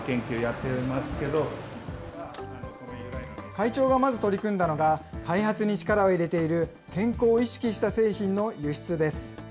会長がまず取り組んだのが開発に力を入れている、健康を意識した製品の輸出です。